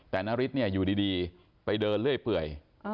แต่นาริสเนี่ยอยู่ดีไปเดินเรื่อยเปื่อย